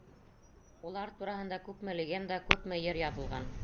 Улар тураһында күпме легенда, күпме йыр яҙылған.